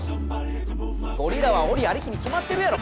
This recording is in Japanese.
ゴリラは檻ありきに決まってるやろ！